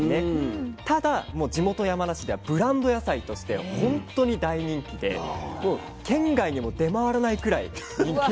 ただ地元山梨ではブランド野菜としてほんとに大人気でもう県外にも出回らないくらい人気なんですよ。